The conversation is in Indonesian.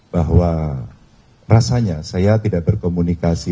bahwa rasanya saya tidak berkomunikasi